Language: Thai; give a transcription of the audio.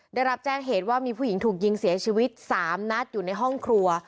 ได้รับแจ้งเหตุว่ามีผู้หญิงถูกยิงเสียชีวิต๓นัดอยู่ในห้องครัว